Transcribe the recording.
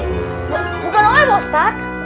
bukan saya pak ustadz